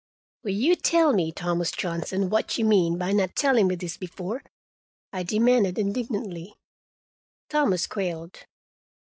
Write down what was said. "Will you tell me what you mean, Thomas Johnson, by not telling me this before?" I demanded indignantly. Thomas quailed.